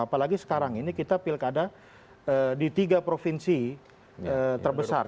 apalagi sekarang ini kita pilkada di tiga provinsi terbesar